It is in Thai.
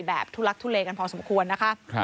แบบทุลักษณ์ทุเลกันพอสมควรนะคะ